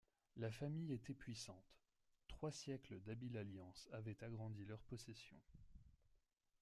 La famille était puissante, trois siècles d’habile alliances avaient agrandi leur possessions.